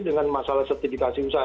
dengan masalah sertifikasi usaha